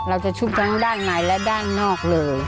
ชุบทั้งด้านในและด้านนอกเลย